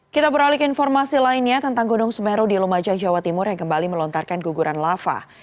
kita beralih ke informasi lainnya tentang gunung semeru di lumajang jawa timur yang kembali melontarkan guguran lava